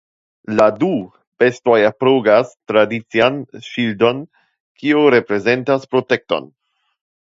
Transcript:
La du bestoj apogas tradician ŝildon kiu reprezentas "protekton".